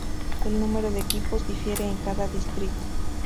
El número de equipos difiere en cada distrito.